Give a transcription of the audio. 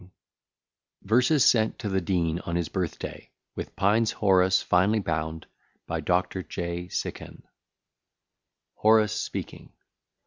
"] VERSES SENT TO THE DEAN ON HIS BIRTH DAY, WITH PINE'S HORACE, FINELY BOUND. BY DR. J. SICAN (Horace speaking.)